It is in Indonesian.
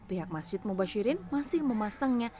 pihak masjid mubashirin masih memasangnya